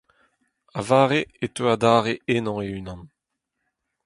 A-vare e teu adarre ennañ e-unan.